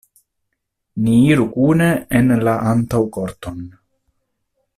Ni iru kune en la antaŭkorton.